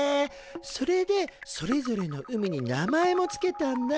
それでそれぞれの海に名前も付けたんだ。